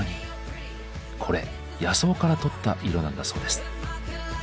これ野草からとった色なんだそうです。